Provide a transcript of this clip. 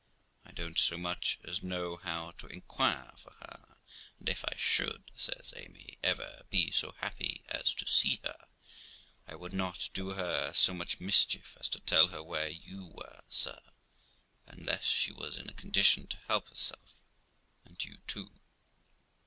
'I don't so much as know how to inquire for her; and if I should', says Amy, 'ever be so happy as to see her, I would not do her so much mischief as to tell her where you were, sir, unless she was in a condition to help herself and you too.'